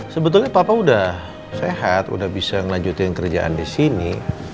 sebetulnya papa udah sehat udah bisa ngelanjutin kerjaan di sini